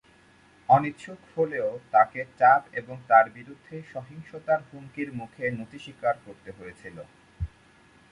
অনিচ্ছুক হলেও, তাকে চাপ এবং তার বিরুদ্ধে সহিংসতার হুমকির মুখে নতি স্বীকার করতে হয়েছিল।